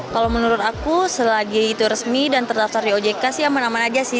kalau menurut aku selagi itu resmi dan terdaftar di ojk sih aman aman aja sih